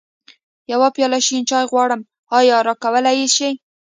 يوه پياله شين چای غواړم، ايا راکولی يې شې؟